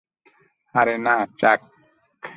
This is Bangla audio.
আরে না, চাক।